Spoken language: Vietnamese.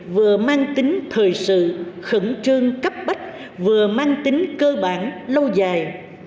vừa mang tính thời sự khẩn trương cấp bách vừa mang tính cơ bản lâu dài